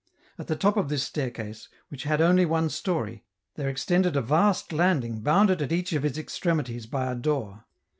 At the top of this staircase, which had only one story, there extended a vast landing bounded at each of its extremities by a door.